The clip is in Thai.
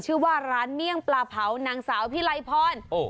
ชื่อว่าร้านเมี่ยงปลาเผานางสาวพิไลพร